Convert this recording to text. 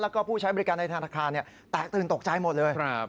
แล้วก็ผู้ใช้บริการในธนาคารแตกตื่นตกใจหมดเลย